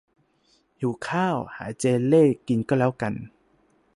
หิวข้าว หาเจเล่กินก็แล้วกัน